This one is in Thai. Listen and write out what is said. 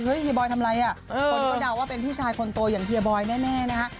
เฮ้ยเฮียบอยทำไรอ่ะพวกนี้ก็เดาว่าเป็นพี่ชายคนโตอยังเฮียบอยแน่นะครับ